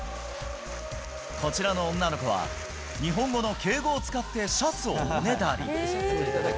こちらの女の子は、日本語の敬語を使ってシャツをおねだり。